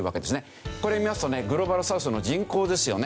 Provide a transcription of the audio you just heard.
これ見ますとねグローバルサウスの人口ですよね。